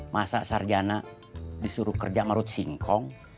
masa sarjana disuruh kerja ngerut singkong